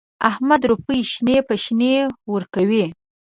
احمد روپۍ شنې په شنې ورکوي.